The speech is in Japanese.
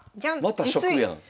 また食やん。